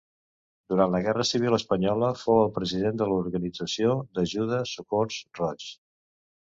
Durant la Guerra Civil Espanyola, fou el president de l'organització d'ajuda Socors Roig.